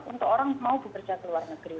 untuk orang mau bekerja ke luar negeri